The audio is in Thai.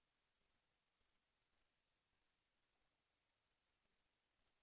ตอนนี้ตอนนี้คือต้องถ่ายละครก่อนจริงค่ะ